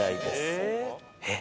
えっ？